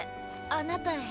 あなたへ。